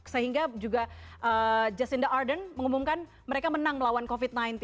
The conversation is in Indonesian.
sehingga juga jasinda arden mengumumkan mereka menang melawan covid sembilan belas